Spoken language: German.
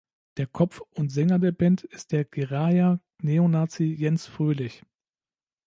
Der Kopf und Sänger der Band ist der Geraer Neonazi Jens Fröhlich.